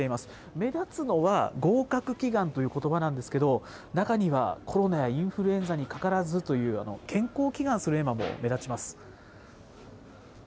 目立つのは、合格祈願ということばなんですけれども、中には、コロナやインフルエンザにかからずという、健康祈願する絵馬も目立ちます。